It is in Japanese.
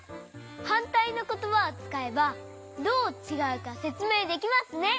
はんたいのことばをつかえばどうちがうかせつめいできますね。